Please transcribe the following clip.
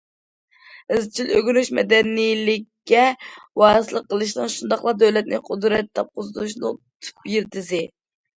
ئىزچىل ئۆگىنىش مەدەنىيلىككە ۋارىسلىق قىلىشنىڭ، شۇنداقلا دۆلەتنى قۇدرەت تاپقۇزۇشنىڭ تۈپ يىلتىزى.